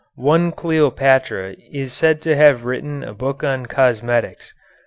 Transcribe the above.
One Cleopatra is said to have written a book on cosmetics.